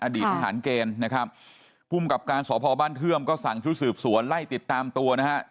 ทหารเกณฑ์นะครับภูมิกับการสพบ้านเทื่อมก็สั่งชุดสืบสวนไล่ติดตามตัวนะฮะ